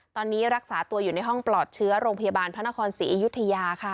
ตอนนี้รักษาตัวอยู่ในห้องปลอดเชื้อโรงพยาบาลพระนครศรีอยุธยาค่ะ